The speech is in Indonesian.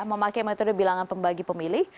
memakai metode bilangan pembagi pemilih